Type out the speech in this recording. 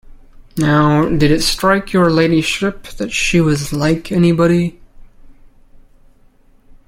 Now, did it strike your ladyship that she was like anybody?